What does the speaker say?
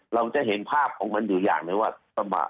เราจะเห็นภาพของมันอยู่อย่างไหนว่า